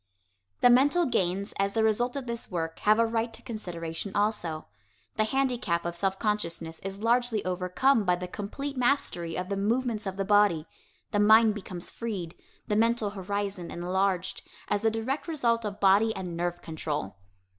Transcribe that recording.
The mental gains as the result of this work have a right to consideration, also. The handicap of self consciousness is largely overcome by the complete mastery of the movements of the body; the mind becomes freed, the mental horizon enlarged, as the direct result of body and nerve control.